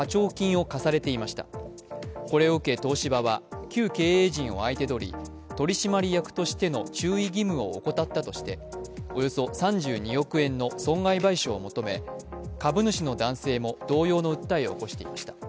これを受け東芝は旧経営陣を相手取り取締役としての注意義務を怠ったとしておよそ３２億円の損害賠償を求め、株主の男性も同様の訴えを起こしていました。